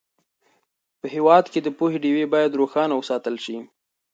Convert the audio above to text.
په هېواد کې د پوهې ډېوې باید روښانه وساتل سي.